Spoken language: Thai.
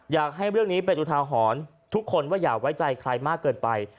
อยากให้เรื่องนี้เป็นอุทาหรณ์ทุกคนว่าอย่าไว้ใจใครมากเกินไป